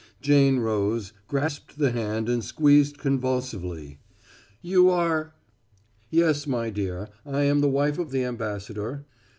Jane rose, grasped the hand and squeezed convulsively. "You are " "Yes, my dear, I am the wife of the ambassador.